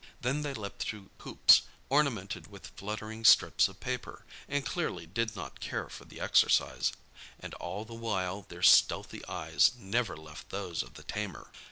Then they leaped through hoops, ornamented with fluttering strips of paper, and clearly did not care for the exercise. And all the while their stealthy eyes never left those of the tamer.